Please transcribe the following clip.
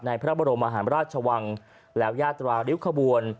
พระบรมหาราชวังแล้วยาตราริ้วขบวน